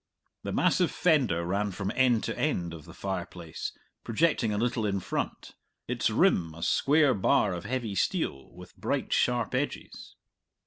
The massive fender ran from end to end of the fireplace, projecting a little in front; its rim, a square bar of heavy steel, with bright, sharp edges.